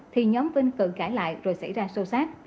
thì nhóm vinh cần cãi lại rồi xảy ra sâu sát